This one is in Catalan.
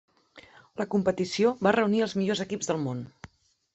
La competició va reunir els millors equips del món.